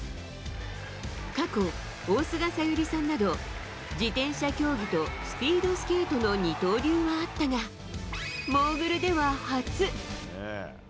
過去、大菅小百合さんなど自転車競技とスピードスケートの二刀流はあったがモーグルでは初。